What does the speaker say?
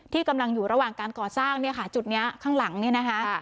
ที่กำลังอยู่ระหว่างการก่อสร้างเนี่ยค่ะจุดนี้ข้างหลังเนี่ยนะคะ